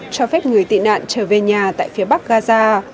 cho phép người tị nạn trở về nhà tại phía bắc gaza